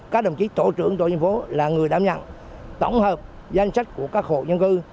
các đồng chí tổ trưởng tổ dân phố là người đảm nhận tổng hợp danh sách của các hộ dân cư